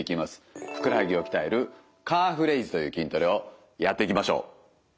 ふくらはぎを鍛えるカーフレイズという筋トレをやっていきましょう。